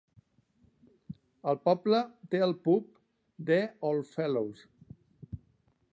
El poble té el pub The Oddfellows.